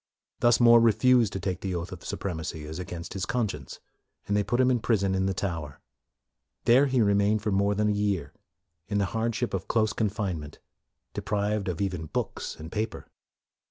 Thus More refused to take the oath of supremacy as against his conscience, and they put him in prison in the Tower. There he remained for more than a year, in the hardship of close confinement, de prived of even books and paper.